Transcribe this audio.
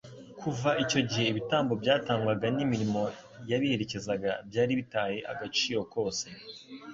Kuva icyo gihe, ibitambo byatambwaga n'imirimo yabiherekezaga, byari bitaye agaciro kose.